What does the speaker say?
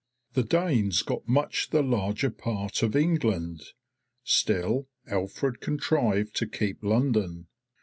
The Danes got much the larger part of England; still Alfred contrived to keep London.